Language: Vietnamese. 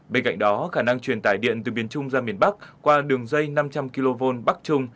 bên cạnh đó khả năng truyền tải điện từ miền trung ra miền bắc qua đường dây năm trăm linh kv bắc trung